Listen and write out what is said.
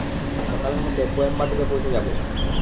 সকালের মধ্যে কোয়েম্বাটুরে পৌঁছে যাব।